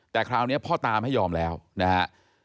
แต่คราวนี้พ่อตาไม่ยอมแล้วนะฮะ